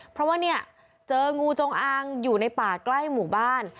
เพราะว่าเนี่ยเจองูจงอางอยู่ในป่าใกล้หมู่บ้าน